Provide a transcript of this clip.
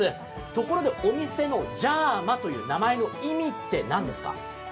ところでお店のじゃまという名前の意味って何ですか？